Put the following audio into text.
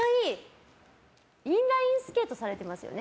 インラインスケートされてますよね。